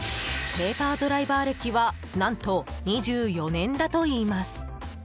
ペーパードライバー歴は何と２４年だといいます。